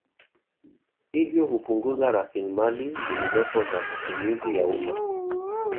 Hivyo hupunguza raslimali zilizopo za matumizi ya umma